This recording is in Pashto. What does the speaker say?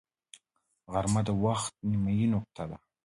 غرمه د وخت نیمايي نقطه ده